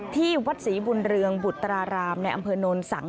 ที่วัดศรีบุญเรืองบุตรารามในอำเภอโนนสัง